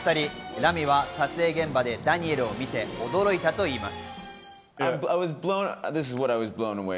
ラミは撮影現場でダニエルを見て驚いたといいます。